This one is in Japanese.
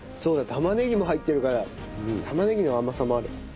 玉ねぎも入ってるから玉ねぎの甘さもある。